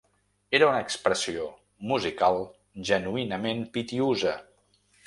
Era una expressió musical genuïnament pitiüsa.